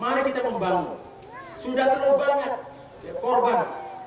mari kita membangun sudah terlalu banyak korban